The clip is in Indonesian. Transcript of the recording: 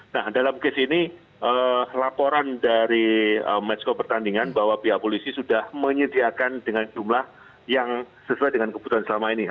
nah dalam kes ini laporan dari mesko pertandingan bahwa pihak polisi sudah menyediakan dengan jumlah yang sesuai dengan kebutuhan selama ini